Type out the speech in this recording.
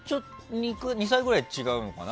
２３個ぐらい違うのかな。